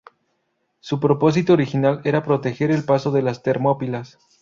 Su propósito original era proteger el paso de las Termópilas.